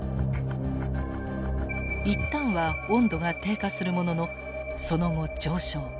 一旦は温度が低下するもののその後上昇。